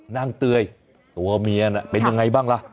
เตยตัวเมียน่ะเป็นยังไงบ้างล่ะ